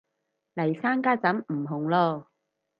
嚟生家陣唔紅嚕